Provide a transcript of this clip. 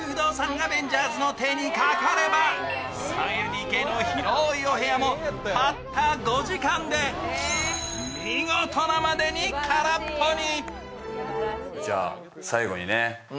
アベンジャーズの手にかかれば３ＬＤＫの広いお部屋も、たった５時間で見事なまでに空っぽに！